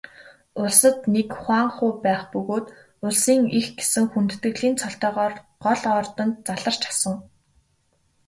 Улсад нэг хуанху байх бөгөөд Улсын эх гэсэн хүндэтгэлийн цолтойгоор гол ордонд заларч асан.